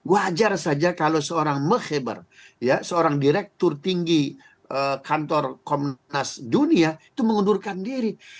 wajar saja kalau seorang meheber seorang direktur tinggi kantor komnas dunia itu mengundurkan diri